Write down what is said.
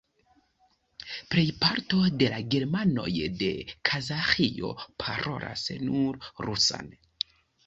Plejparto de la germanoj de Kazaĥio parolas nur rusan.